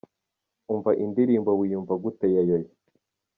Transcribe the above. Umva indirimbo Wiyumva gute ya Yoya:.